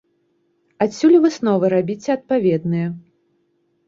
Адсюль і высновы рабіце адпаведныя.